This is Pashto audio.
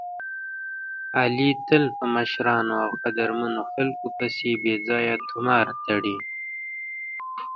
علي تل په مشرانو او قدرمنو خلکو پسې بې ځایه طومار تړي.